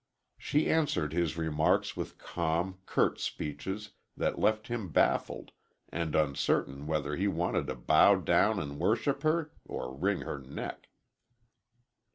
She answered his remarks with calm, curt speeches that left him baffled and uncertain whether he wanted to bow down and worship her, or wring her neck.